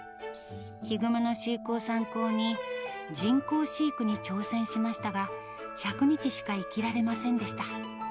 ヒグマの飼育を参考に、人工しいくに挑戦しましたが、１００日しか生きられませんでした。